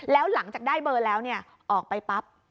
แล้วหลังจากได้เบอร์แล้วออกไปปั๊บ